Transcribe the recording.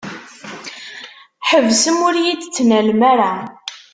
Ḥebsem ur yi-d-ttnalem ara.